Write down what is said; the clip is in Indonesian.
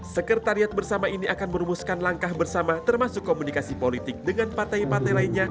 sekretariat bersama ini akan merumuskan langkah bersama termasuk komunikasi politik dengan partai partai lainnya